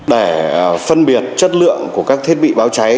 để phân biệt chất lượng của các thiết bị báo cháy